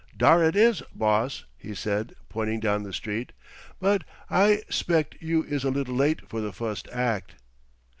"Dar it is, boss," he said, pointing down the street. "But I 'spect you is a little late for de fust act."